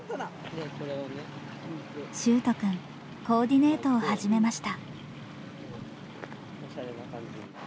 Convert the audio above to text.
秀斗くんコーディネートを始めました。